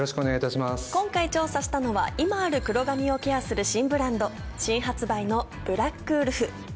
今回調査したのは今ある黒髪をケアする新ブランド新発売のブラックウルフ